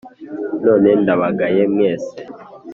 None ndabagaye mwese.